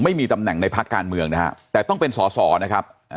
ไม่มีตำแหน่งในพักการเมืองนะฮะแต่ต้องเป็นสอสอนะครับ